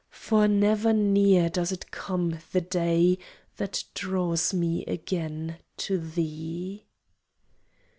For never near Does it come, the day That draws me again to thee!